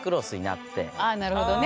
ああなるほどね。